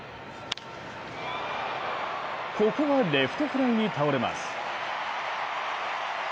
ここはレフトフライに倒れます。